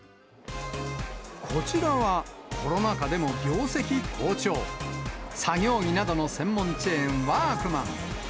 こちらは、コロナ禍でも業績好調、作業着などの専門チェーン、ワークマン。